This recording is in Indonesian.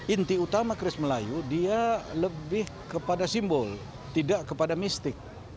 inti utama kris melayu dia lebih kepada simbol tidak kepada mistik